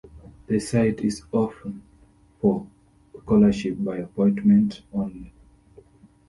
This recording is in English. The site is open for scholarship by appointment only.